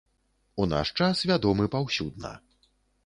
У наш час вядомы паўсюдна.